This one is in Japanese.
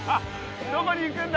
どこに行くんだ？